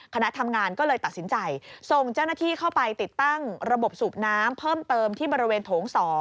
คณะทำงานก็เลยตัดสินใจส่งเจ้าหน้าที่เข้าไปติดตั้งระบบสูบน้ำเพิ่มเติมที่บริเวณโถง๒